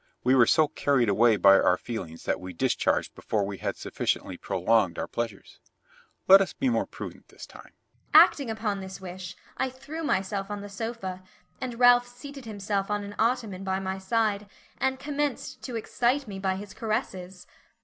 We were so carried away by our feelings that we discharged before we had sufficiently prolonged our pleasures let us be more prudent this time." Acting upon this wish, I threw myself on the sofa, and Ralph seated himself on an ottoman by my side, and commenced to excite me by his caresses.